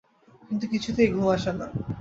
কিন্তু কিছুতেই ঘুম আসে না।